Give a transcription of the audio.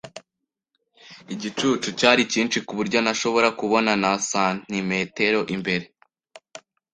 Igicu cyari cyinshi kuburyo ntashobora kubona na santimetero imbere.